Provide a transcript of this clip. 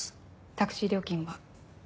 タクシー料金は？